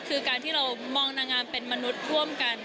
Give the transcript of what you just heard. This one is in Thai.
คือการที่เรามองนางงามเป็นมนุษย์ร่วมกัน